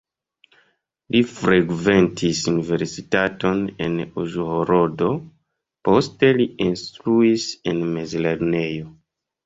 Li frekventis universitaton en Uĵhorodo, poste li instruis en mezlernejo.